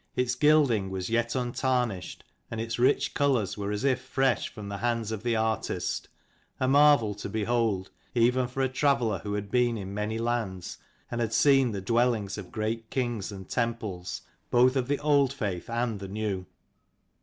Its gilding was yet untarnished and its rich colours were as if fresh from the hands of the artist ; a marvel to behold, even for a traveller who had been in many lands and had seen the dwellings of great kings, and temples both of the old faith and the new.